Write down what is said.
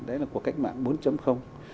đấy là của cách mạng bốn